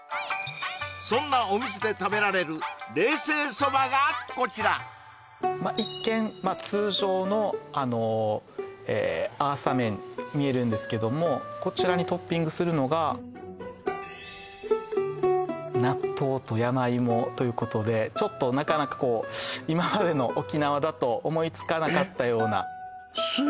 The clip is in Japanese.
そんなお店でこちらまあ一見通常のあのアーサ麺見えるんですけどもこちらにトッピングするのが納豆と山芋ということでちょっとなかなかこう今までの沖縄だと思いつかなかったようなえっ！？